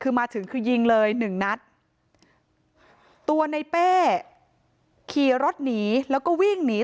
คือมาถึงคือยิงเลยหนึ่งนัดตัวในเป้ขี่รถหนีแล้วก็วิ่งหนี